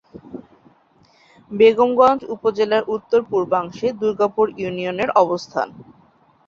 বেগমগঞ্জ উপজেলার উত্তর-পূর্বাংশে দুর্গাপুর ইউনিয়নের অবস্থান।